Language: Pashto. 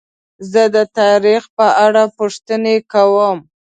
زه د تاریخ په اړه پوښتنې کوم.